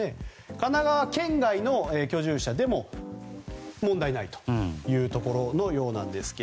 神奈川県外の居住者でも問題ないというところのようなんですが。